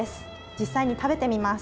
実際に食べてみます。